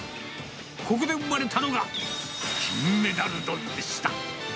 ここで生まれたのが、金メダル丼でした。